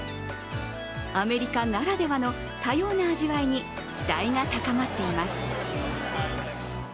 アメリカならではの多様な味わいに期待が高まっています。